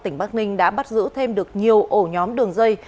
tỉnh bắc ninh đã bắt giữ thêm được nhiều ổ nhóm đường dây